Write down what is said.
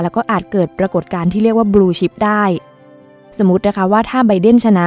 แล้วก็อาจเกิดปรากฏการณ์ที่เรียกว่าบลูชิปได้สมมุตินะคะว่าถ้าใบเดนชนะ